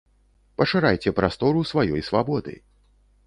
Пашырайце прастору сваёй свабоды.